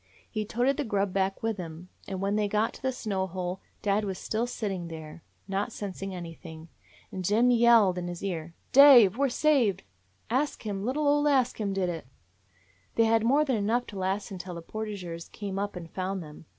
He toted the grub back with him, and when they got to the snow hole dad was still sitting there, not sensing anything. And Jim yelled in his 210 AN INDIAN DOG ear: "Dave! We're saved! Ask Him, little old Ask Him did it." "They had more than enough to last until the portageurs came up and found them.